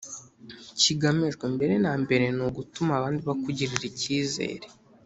kigamijwe mbere na mbere ni ugutuma abandi bakugirira ikizere.